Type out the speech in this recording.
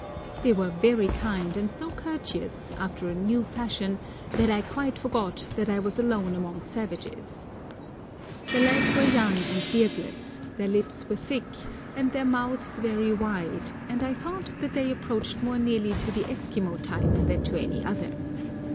They were very kind, and so courteous, after a new fashion, that I quite forgot that I was alone among savages. The lads were young and beardless, their lips were thick, and their mouths very wide, and I thought that they approached more nearly to the Eskimo type than to any other.